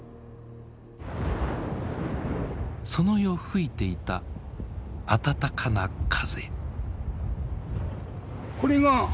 その夜吹いていた暖かな風。